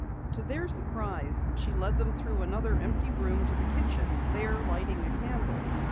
To their surprise she led them through another empty room to the kitchen, there lighting a candle.